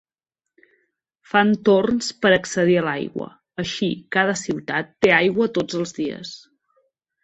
Fan torns per accedir a l'aigua, així cada ciutat té aigua tots els dies.